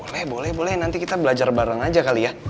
boleh boleh nanti kita belajar bareng aja kali ya